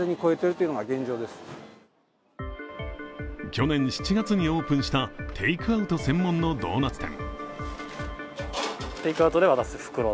去年７月にオープンしたテイクアウト専門のドーナツ店。